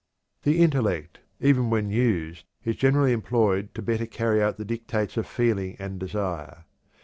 The intellect, even when used, is generally employed to better carry out the dictates of feeling and desire.